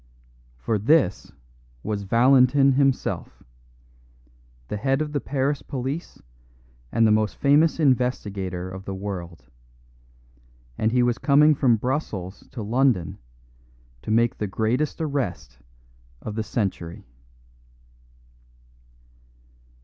For this was Valentin himself, the head of the Paris police and the most famous investigator of the world; and he was coming from Brussels to London to make the greatest arrest of the century.